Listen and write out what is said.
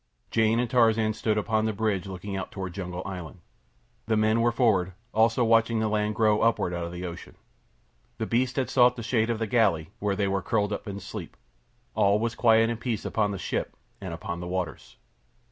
Jane and Tarzan stood upon the bridge looking out toward Jungle Island. The men were forward, also watching the land grow upward out of the ocean. The beasts had sought the shade of the galley, where they were curled up in sleep. All was quiet and peace upon the ship, and upon the waters.